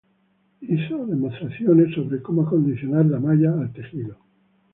Hizo demostraciones sobre como acondicionar la malla al tejido.